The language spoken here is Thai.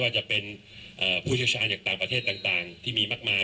จะเป็นเอ่อผู้ชาญชาญจากต่างประเทศต่างต่างที่มีมากมาย